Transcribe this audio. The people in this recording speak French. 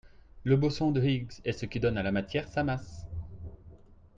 Le boson de Higgs est ce qui donne à la matière, sa masse.